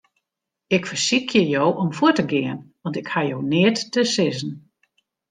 Ik fersykje jo om fuort te gean, want ik haw jo neat te sizzen.